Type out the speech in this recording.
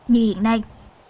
như hiện nay